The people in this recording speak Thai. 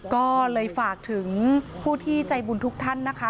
ก็เลยฝากถึงผู้ที่ใจบุญทุกท่านนะคะ